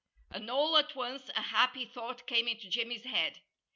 And all at once a happy thought came into Jimmy's head.